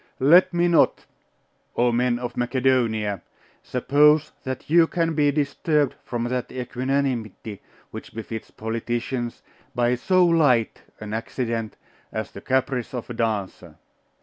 'Let me not, O men of Macedonia, suppose that you can be disturbed from that equanimity which befits politicians, by so light an accident as the caprice of a dancer.